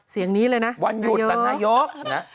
เสียงนี้เลยนะนายก